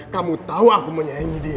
kamu tau aku menyayangi dia